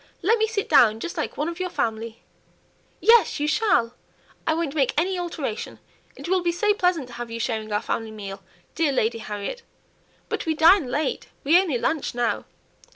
let me sit down just like one of your family." "Yes, you shall; I won't make any alteration; it will be so pleasant to have you sharing our family meal, dear Lady Harriet. But we dine late, we only lunch now.